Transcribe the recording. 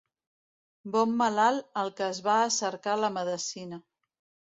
Bon malalt el que es va a cercar la medecina.